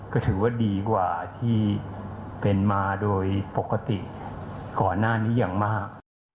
ก็ถือว่าดีกว่าที่เป็นมาโดยปกติก่อนหน้านี้อย่างมาก